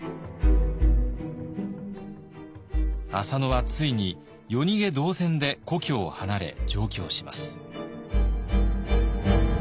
浅野はついに夜逃げ同然で故郷を離れ上京します。